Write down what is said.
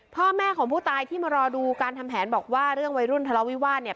พ่อแม่ของผู้ตายที่มารอดูการทำแผนบอกว่าเรื่องวัยรุ่นทะเลาวิวาสเนี่ย